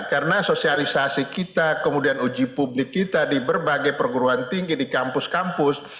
karena sosialisasi kita kemudian uji publik kita di berbagai perguruan tinggi di kampus kampus